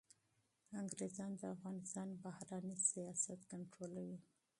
انګریزان د افغانستان بهرنی سیاست کنټرولوي.